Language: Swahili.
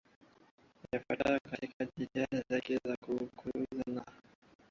yafuatayo katika jitihada zake za kukuza na